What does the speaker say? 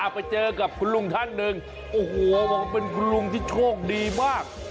ไปเจอกับคุณลุงท่านหนึ่งโอ้โหบอกว่าเป็นคุณลุงที่โชคดีมาก